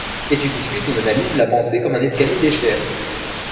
et tu discutes mon analyse La pensée comme un escalier d'Escher.